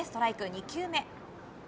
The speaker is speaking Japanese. ２球目。